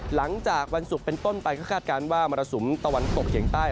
หลังจากวันศุกร์เป็นต้นไปก็คาดการณ์ว่ามรสุมตะวันตกเฉียงใต้